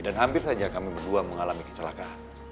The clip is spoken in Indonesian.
dan hampir saja kami berdua mengalami kecelakaan